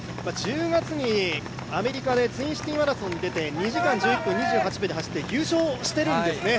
１０月にアメリカのツインシティマラソンに出て２時間１１分２８秒で走って優勝しているんですね。